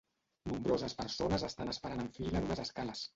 Nombroses persones estan esperant en fila en unes escales.